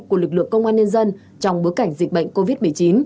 của lực lượng công an nhân dân trong bối cảnh dịch bệnh covid một mươi chín